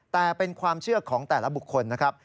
แต่เป็นความเชื่อของแต่ละบุคคลนะครับ